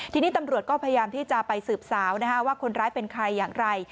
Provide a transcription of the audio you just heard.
ทีนี้ตำรวจก็พยายามที่จะไปสืบสาวว่าคนร้ายเป็นใครอย่างไร